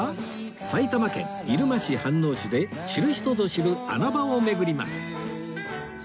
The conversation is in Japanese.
埼玉県入間市飯能市で知る人ぞ知る穴場を巡ります